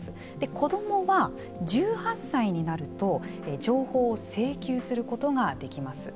子どもは１８歳になると情報を請求することができます。